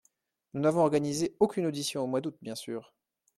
Nous n’avons organisé aucune audition au mois d’août, bien sûr.